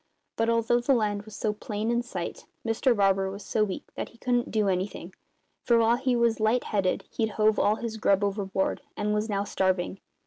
But, although the land was so plain in sight, Mr Barber was so weak that he couldn't do anything; for while he was light headed he'd hove all his grub overboard and was now starving.